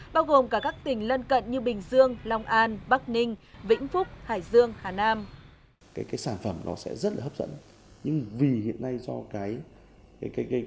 bao gồm cả các tỉnh lân cận như bình dương long an bắc ninh vĩnh phúc hải dương hà nam